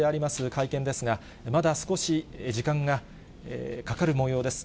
会見ですが、まだ少し時間がかかるもようです。